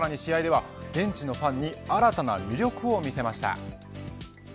ベンチのファンに新たな魅力を見せました。